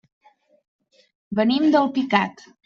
Venim d'Alpicat.